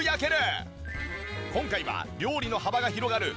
今回は料理の幅が広がる